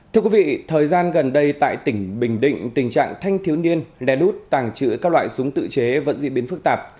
thưa quý vị thời gian gần đây tại tỉnh bình định tình trạng thanh thiếu niên lè lút tàng trữ các loại súng tự chế vẫn diễn biến phức tạp